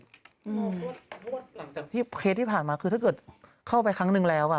เพราะว่าหลังจากที่เคสที่ผ่านมาคือถ้าเกิดเข้าไปครั้งนึงแล้ว